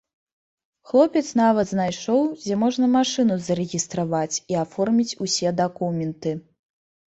Хлопец нават знайшоў, дзе можна машыну зарэгістраваць і аформіць усе дакументы.